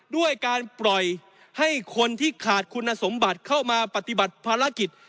ด้วยการปล่อยให้คนที่ขาดคุณสมบัติเข้ามาปฏิบัติภารกิจ